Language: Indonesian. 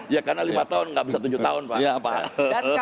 ya karena lima tahun nggak bisa tujuh tahun pak